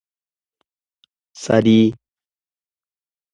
sadii